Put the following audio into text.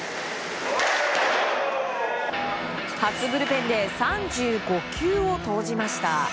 初ブルペンで３５球を投じました。